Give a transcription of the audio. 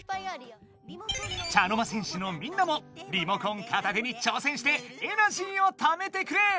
茶の間戦士のみんなもリモコン片手に挑戦してエナジーをためてくれ！